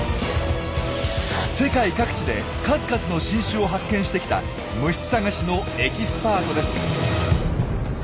世界各地で数々の新種を発見してきた虫探しのエキスパートです。